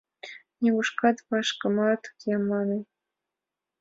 Нигушкат вашкымаш уке», — мане.